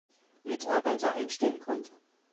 Mitarbeiter einstellen konnte.